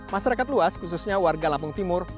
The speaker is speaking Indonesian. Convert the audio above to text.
masyarakat luas khususnya warga lampung timur